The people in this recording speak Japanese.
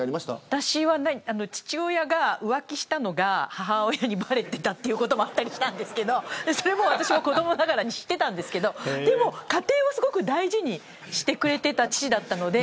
私は父親が浮気したのが母親にばれてたっていうこともあったりしたんですけどそれを私も子どもながらに知ってたんですけどでも家庭は、すごく大事にしてくれてた父だったので。